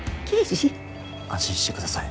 安心して下さい。